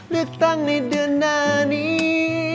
เลือกตั้งในเดือนหน้านี้